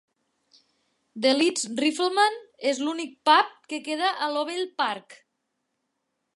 The Leeds Rifleman és l'únic pub que queda a Lovell Park.